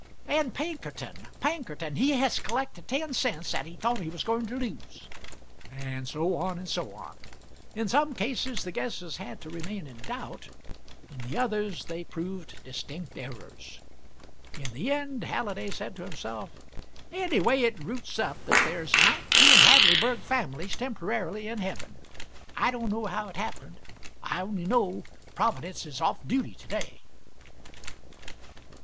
"And Pinkerton Pinkerton he has collected ten cents that he thought he was going to lose." And so on, and so on. In some cases the guesses had to remain in doubt, in the others they proved distinct errors. In the end Halliday said to himself, "Anyway it roots up that there's nineteen Hadleyburg families temporarily in heaven: I don't know how it happened; I only know Providence is off duty to day."